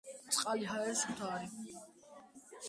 სუფთა წყალში ჰაერი რბილ მჟავიანობას ავლენს.